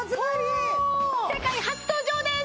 世界初登場です！